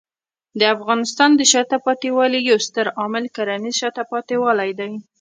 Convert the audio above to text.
د افغانستان د شاته پاتې والي یو ستر عامل کرنېز شاته پاتې والی دی.